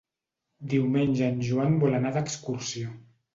Diumenge en Joan vol anar d'excursió.